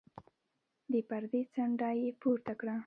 د پردې څنډه يې پورته کړه.